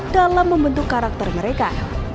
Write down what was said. dalam membentuk karakter mereka